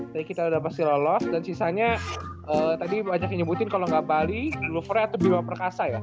tadi kita udah pasti lolos dan sisanya tadi banyak yang nyebutin kalau nggak bali lovernya tuh biwa perkasa ya